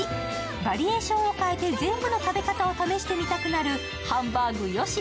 バリエーションを変えて全部の食べ方を試してみたくなるハンバーグ嘉。